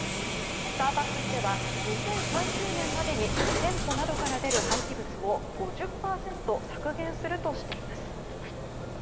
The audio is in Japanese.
スターバックスでは２０３０年前に店舗などから出る廃棄物を５０％削減するとしています。